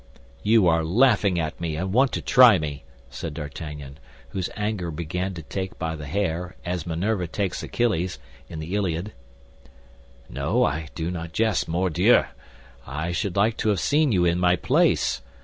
"You are laughing at me, and want to try me!" said D'Artagnan, whom anger began to take by the hair, as Minerva takes Achilles, in the Iliad. "No, I do not jest, mordieu! I should like to have seen you in my place!